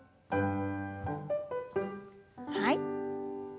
はい。